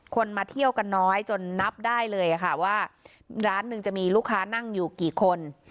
มาเที่ยวกันน้อยจนนับได้เลยค่ะว่าร้านหนึ่งจะมีลูกค้านั่งอยู่กี่คน